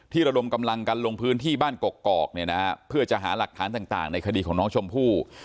ระดมกำลังกันลงพื้นที่บ้านกกอกเนี่ยนะฮะเพื่อจะหาหลักฐานต่างในคดีของน้องชมพู่